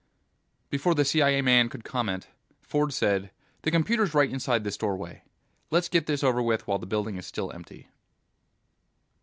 Before the CIA man could comment, Ford said, "The computer's right inside this doorway. Let's get this over with while the building is still empty."